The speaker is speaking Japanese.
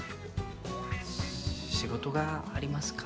仕事がありますから。